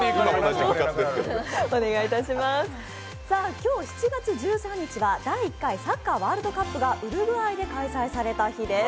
今日７月１３日は第１回サッカーワールドカップがウルグアイで開催された日です。